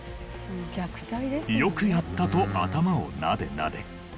「よくやった」と頭をなでなで。